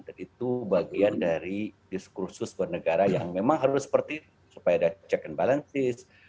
itu bagian dari diskursus bernegara yang memang harus seperti itu supaya ada check and balances